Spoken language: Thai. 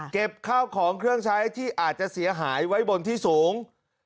ข้าวของเครื่องใช้ที่อาจจะเสียหายไว้บนที่สูง